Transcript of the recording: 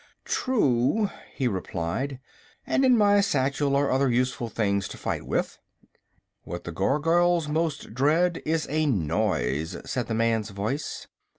"True," he replied; "and in my satchel are other useful things to fight with." "What the Gargoyles most dread is a noise," said the man's voice.